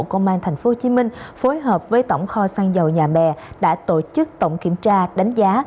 công an tp hcm phối hợp với tổng kho sang dầu nhà bè đã tổ chức tổng kiểm tra đánh giá